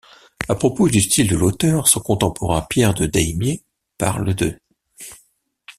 À propos du style de l'auteur, son contemporain Pierre de Deimier parle d'.